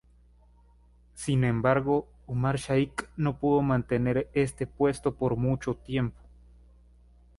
Sin embargo, Umar Shaikh no pudo mantener este puesto por mucho tiempo.